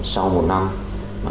sau một năm